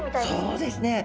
そうですね。